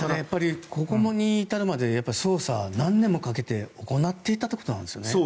ここに至るまで捜査、何年もかけて行っていたということなんですよね。